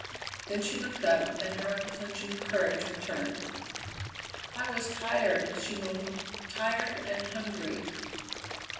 Then she looked up and her unflinching courage returned. "I was tired!" she moaned; "tired and hungry."